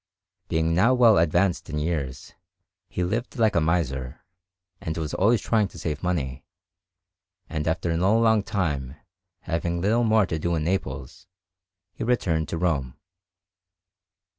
Being now well advanced in years, he lived like a miser, and was always trying to save money; and after no long time, having little more to do in Naples, he returned to Rome.